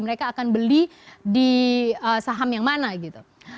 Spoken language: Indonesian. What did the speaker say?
mereka akan beli di saham yang mana gitu